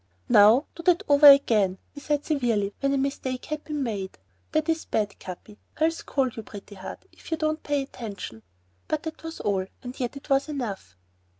"Now do that over again," he said severely, when a mistake had been made. "That is bad, Capi. I'll scold you, Pretty Heart, if you don't pay attention." And that was all, but yet it was enough.